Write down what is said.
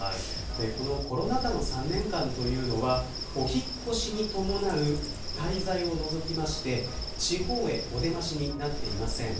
このコロナ禍の３年間というのはお引っ越しに伴う滞在を除きまして地方へおでましになっていません。